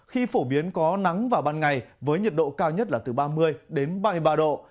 khi phổ biến có nắng vào ban ngày với nhiệt độ cao nhất là từ ba mươi đến ba mươi ba độ